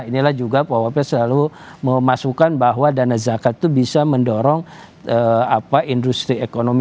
inilah juga pak wapres selalu memasukkan bahwa dana zakat itu bisa mendorong industri ekonomi